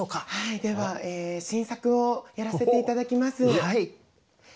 では新作をやらせて頂きます。